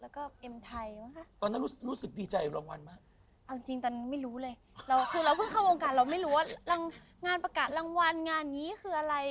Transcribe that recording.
คือเราเพิ่งเข้าโรงการเราไม่รู้ว่างานประกาศรางวัลงานนี้คืออะไร